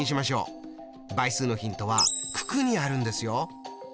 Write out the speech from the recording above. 倍数のヒントは九九にあるんですよ。